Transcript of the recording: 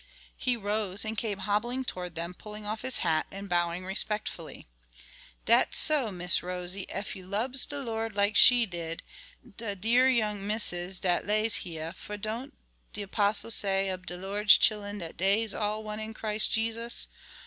He rose and came hobbling toward them, pulling off his hat and bowing respectfully. "Dat's so, Miss Rosie, ef you lubs de Lord, like she did, de dear young Missus dat lays heyah; for don't de 'postle say ob de Lord's chillen dat dey's all one in Christ Jesus?